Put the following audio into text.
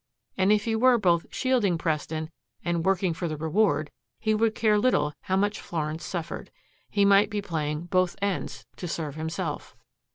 And if he were both shielding Preston and working for the reward, he would care little how much Florence suffered. He might be playing both ends to serve himself.